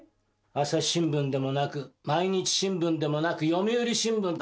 朝日新聞でもなく毎日新聞でもなく読売新聞だ。